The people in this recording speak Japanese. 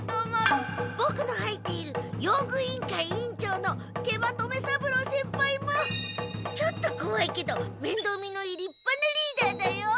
ボクの入っている用具委員会委員長の食満留三郎先輩もちょっとこわいけどめんどう見のいいりっぱなリーダーだよ。